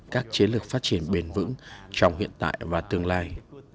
các chế lực phát triển bền vững trong hiện tại và tương lai